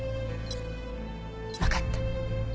わかった。